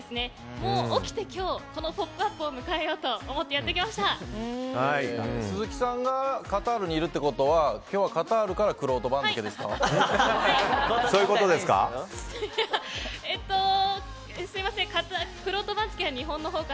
もう起きて今日この「ポップＵＰ！」を鈴木さんがカタールにいるってことは今日はカタールからくろうと番付ですか？